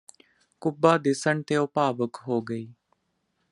ਕੁੱਬਾ ਦੱਸਣ ਤੇ ਉਹ ਭਾਵੁਕ ਹੋ ਗਈ